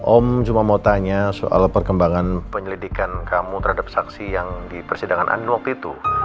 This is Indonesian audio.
om cuma mau tanya soal perkembangan penyelidikan kamu terhadap saksi yang di persidangan andin waktu itu